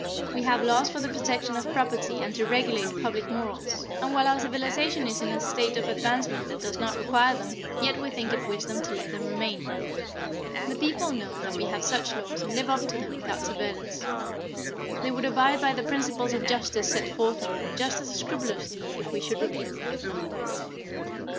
We have laws for the protection of property and to regulate public morals, and while our civilization is in a state of advancement that does not require them, yet we think it wisdom to let them remain. The people know that we have such laws and live up to them without surveillance. They would abide by the principles of justice set forth in them just as scrupulously if we should repeal them.